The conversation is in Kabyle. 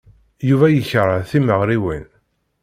Yuba yekṛeh timeɣriwin.